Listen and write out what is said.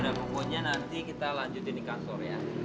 nah pokoknya nanti kita lanjutin di kantor ya